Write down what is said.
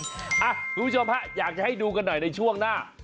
คุณผู้ชมฮะอยากจะให้ดูกันหน่อยในช่วงหน้า